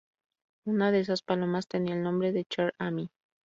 Una de esas palomas tenía el nombre de Cher Ami.